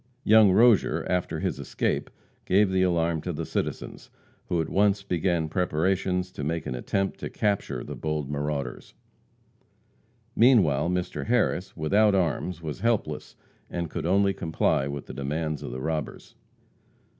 Young Rozier, after his escape, gave the alarm to the citizens, who at once began preparations to make an attempt to capture the bold marauders. Meanwhile Mr. Harris, without arms, was helpless, and could only comply with the demands of the robbers.